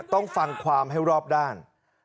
ต้องฟังความให้รอบด้าน